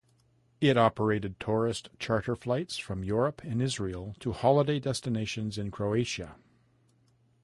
It operated tourist charter flights from Europe and Israel to holiday destinations in Croatia.